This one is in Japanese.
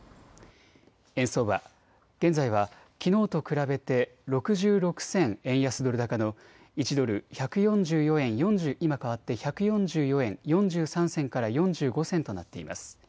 円相場、現在はきのうと比べて６６銭円安ドル高の１ドル、１４４円４３銭から４５銭となっています。